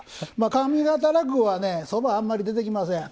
上方落語はそば、あんまり出てきません。